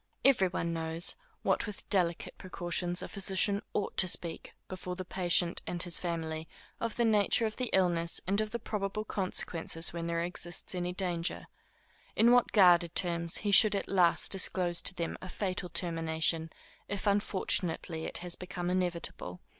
Every one knows, with what delicate precautions a physician ought to speak before the patient and his family, of the nature of the illness and of the probable consequences when there exists any danger; in what guarded terms he should at last disclose to them a fatal termination, if unfortunately it has become inevitable.